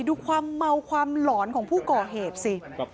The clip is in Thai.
ดูความเมาความหลอนของผู้ก่อเหตุสิ